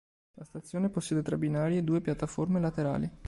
La stazione possiede tre binari e due piattaforme laterali.